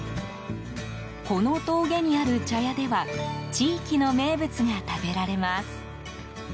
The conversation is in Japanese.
この峠にある茶屋では地域の名物が食べられます。